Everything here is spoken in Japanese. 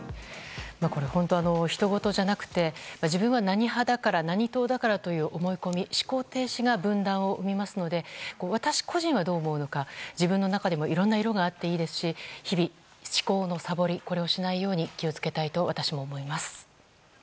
本当、ひとごとじゃなくて自分は何派だから何党だからという思い込み思考停止が分断を生みますので私個人はどう思うのか自分の中でもいろんな色があっていいですし日々思考のさぼりをしないように気を付けたいと私も思います。